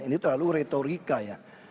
ini terlalu retorika ya